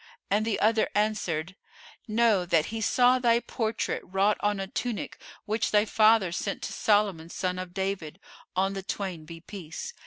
and the other answered, "Know that he saw thy portrait wrought on a tunic which thy father sent to Solomon son of David (on the twain be peace!)